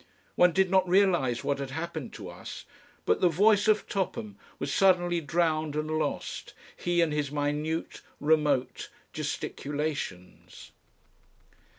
One did not realise what had happened to us, but the voice of Topham was suddenly drowned and lost, he and his minute, remote gesticulations....